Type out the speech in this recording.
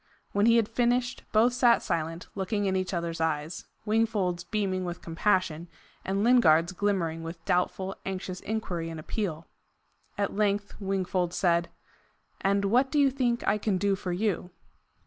When he had finished, both sat silent, looking in each other's eyes, Wingfold's beaming with compassion, and Lingard's glimmering with doubtful, anxious inquiry and appeal. At length Wingfold said: "And what do you think I can do for you?"